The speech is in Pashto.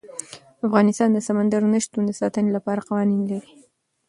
افغانستان د سمندر نه شتون د ساتنې لپاره قوانین لري.